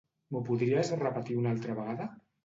M'ho podries repetir una altra vegada?